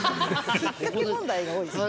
引っかけ問題が多いですね。